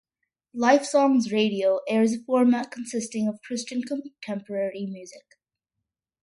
LifeSongs Radio airs a format consisting of Christian contemporary music.